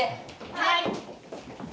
はい。